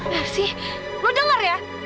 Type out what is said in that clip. mer sih lo denger ya